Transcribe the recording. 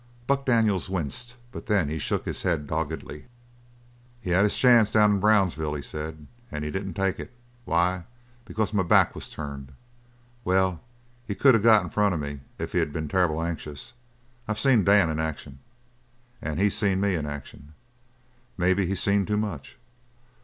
Buck Daniels winced, but he then shook his head doggedly. "He had his chance down in Brownsville," he said. "And he didn't take it. Why? Because my back was turned? Well, he could of got in front of me if he'd been terrible anxious. I've seen Dan in action; he's seen me in action! Maybe he's seen too much.